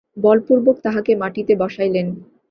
বলপূর্বক তাঁহাকে মাটিতে বসাইলেন।